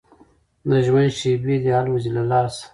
د ژوندون شېبې دي الوزي له لاسه